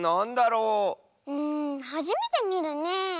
うんはじめてみるねえ。